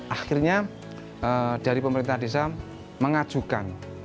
akhirnya dari pemerintah desa mengajukan